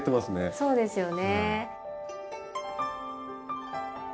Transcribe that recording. そうですね。